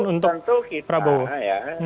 tentu kita ya